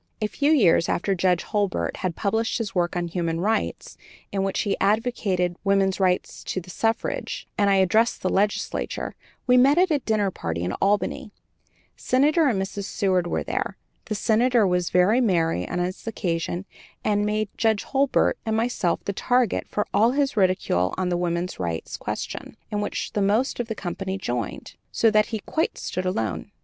A few years after Judge Hurlbert had published his work on "Human Rights," in which he advocated woman's right to the suffrage, and I had addressed the legislature, we met at a dinner party in Albany. Senator and Mrs. Seward were there. The Senator was very merry on that occasion and made Judge Hurlbert and myself the target for all his ridicule on the woman's rights question, in which the most of the company joined, so that we stood quite alone.